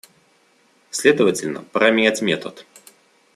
Следовательно, пора менять метод.